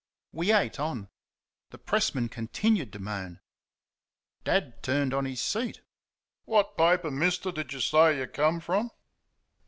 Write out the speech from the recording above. We ate on. The pressman continued to moan. Dad turned on his seat. "What paper, mister, do you say you come from?"